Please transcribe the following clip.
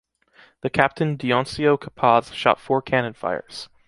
The captain Dionisio Capaz shot four cannon fires.